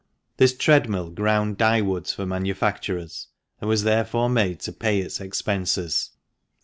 This treadmill ground dyewoods for manufacturers, and was therefore made to pay its expenses.